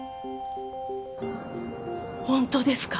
本当ですか？